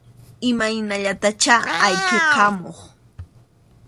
Imaynallatachá ayqikamuq.